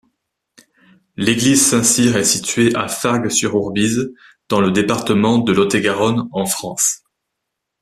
L'église Saint-Cyr est située à Fargues-sur-Ourbise, dans le département de Lot-et-Garonne, en France.